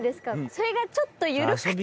それがちょっと緩くて。